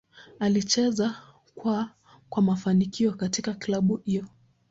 Alicheza kwa kwa mafanikio katika klabu hiyo.